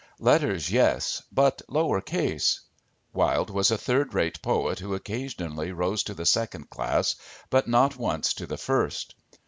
Letters, yes, but lower case. Wilde was a third rate poet who occasionally rose to the second class but not once to the first.